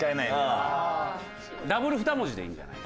「Ｗ２文字」でいいんじゃない？